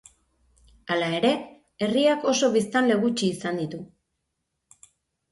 Hala ere, herriak oso biztanle gutxi izan ditu.